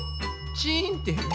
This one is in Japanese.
チーンっていう。